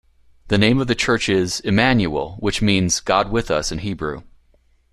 The name of the church is; "Immanuel" which means "God with us" in Hebrew.